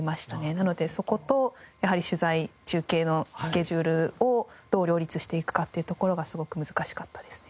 なのでそことやはり取材中継のスケジュールをどう両立していくかっていうところがすごく難しかったですね。